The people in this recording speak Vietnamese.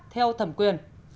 theo thẩm quyền